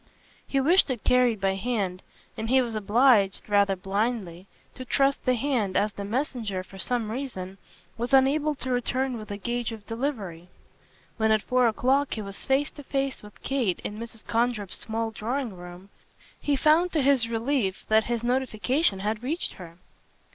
He wished it carried by hand, and he was obliged, rather blindly, to trust the hand, as the messenger, for some reason, was unable to return with a gage of delivery. When at four o'clock he was face to face with Kate in Mrs. Condrip's small drawing room he found to his relief that his notification had reached her.